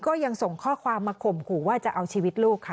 ก็ยังส่งข้อความมาข่มขู่ว่าจะเอาชีวิตลูกค่ะ